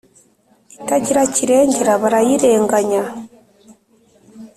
itagira kirengera barayirengaya